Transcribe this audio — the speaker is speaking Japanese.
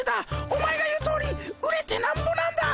お前が言うとおり売れてなんぼなんだ。